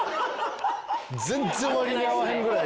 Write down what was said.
全然割に合わへんぐらい。